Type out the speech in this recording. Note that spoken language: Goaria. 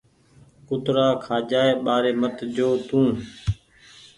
ڪُترآ کآجآئي ٻآري مت جو تونٚ